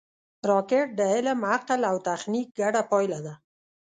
راکټ د علم، عقل او تخنیک ګډه پایله ده